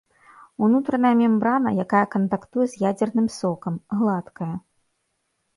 Унутраная мембрана, якая кантактуе з ядзерным сокам, гладкая.